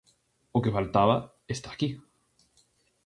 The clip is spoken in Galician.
O que faltaba está aquí.